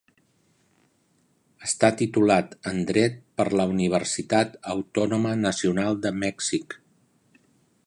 Està titulat en Dret per la Universitat Autònoma Nacional de Mèxic.